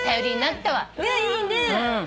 いいね。